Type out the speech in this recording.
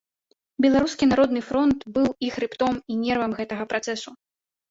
Беларускі народны фронт быў і хрыбтом, і нервам гэтага працэсу.